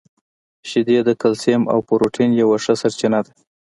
• شیدې د کلسیم او پروټین یوه ښه سرچینه ده.